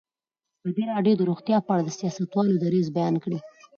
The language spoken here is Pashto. ازادي راډیو د روغتیا په اړه د سیاستوالو دریځ بیان کړی.